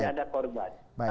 tidak ada korban